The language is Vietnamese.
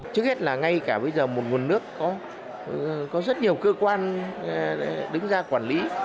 trước hết là ngay cả bây giờ một nguồn nước có rất nhiều cơ quan đứng ra quản lý